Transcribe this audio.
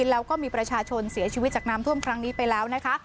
แล้วก็มีประชาชนเสียชีวิตจากน้ำท่วมครั้งนี้ไปแล้วนะคะ